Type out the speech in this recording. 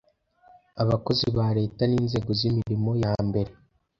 Abakozi ba Leta n Inzego z Imirimo ya mbere